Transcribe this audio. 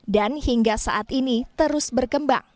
dan hingga saat ini terus berkembang